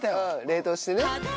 冷凍してね。